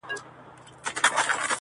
o د خېره دي بېزاره يم، شر مه رارسوه!